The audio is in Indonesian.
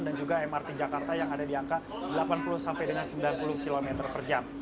dan juga mrt jakarta yang ada di angka delapan puluh sampai dengan sembilan puluh km per jam